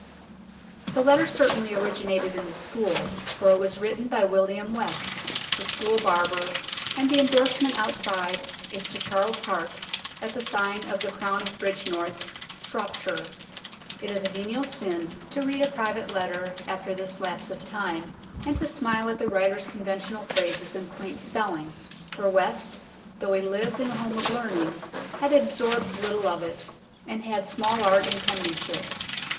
The letter certainly originated in the School, for it was written by William West, the school barber, and the endorsement outside is to Charles Hart, at the sign of The Crown at Bridgnorth, Shropshire. It is a venial sin to read a private letter after this lapse of time, and to smile at the writer's conventional phrases and quaint spelling, for West, though he lived in a home of learning, had absorbed little of it, and had small art hi penmanship.